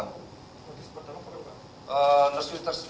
notice pertama berapa